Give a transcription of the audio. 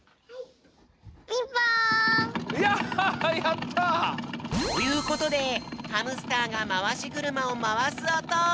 ややった！ということでハムスターがまわしぐるまをまわすおと！